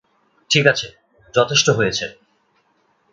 ঠিক আছে, যথেষ্ট হয়েছে।